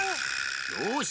よし！